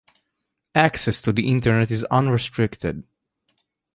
Access to the Internet is unrestricted.